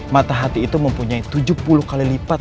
mata hati itu mempunyai tujuh puluh kali lipat